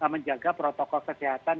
menjaga protokol kesehatan